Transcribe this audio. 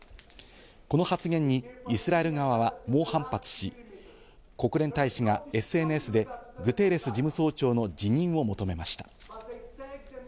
この発言にイスラエル側は猛反発し、国連大使がＳＮＳでグテーレス事務総長の辞任を求めました。